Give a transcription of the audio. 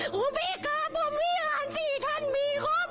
พอพี่กาปุ่มวิอานท์สิทันมีครบ